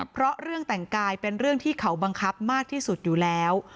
เพราะเรื่องแต่งกายเป็นเรื่องที่เขาบังคับมากที่สุดอยู่แล้ว